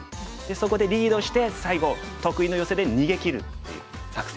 そこでリードして最後得意のヨセで逃げきるっていう作戦。